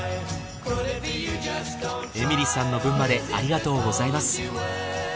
エミリさんの分までありがとうございます。